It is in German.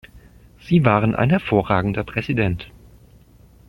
Sie waren ein hervorragender Präsident.